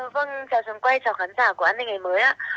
vâng chào trường quay chào khán giả của an ninh ngày mới